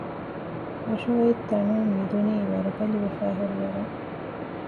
އޮށޮއޮތްތަނުން ނިދުނީ ވަރުބަލިވެފައިހުރިވަރުން